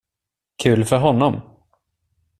Kul för honom.